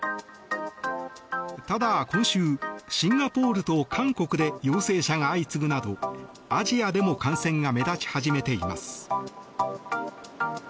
ただ今週、シンガポールと韓国で陽性者が相次ぐなどアジアでも感染が目立ち始めています。